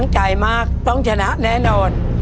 ใจมากต้องชนะแน่นอน